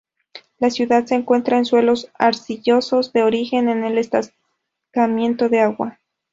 La ciudad se encuentra en suelos arcillosos de origen, en el estancamiento de agua.